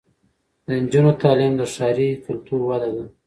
د نجونو تعلیم د ښاري کلتور وده ده.